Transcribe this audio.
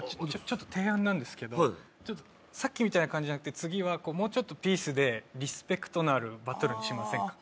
ちょっと提案なんですけどさっきみたいな感じじゃなくて次はもうちょっとピースでリスペクトのあるバトルにしませんか？